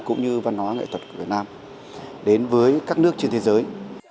cũng như văn hóa nghệ thuật của việt nam đến với các nước trên thế giới